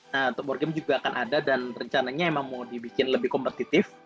nah untuk board game juga akan ada dan rencananya emang mau dibikin lebih kompetitif